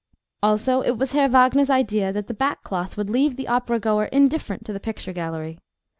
Also it was Herr Wagner's idea that the back cloth would leave the opera goer indifferent to the picture gallery.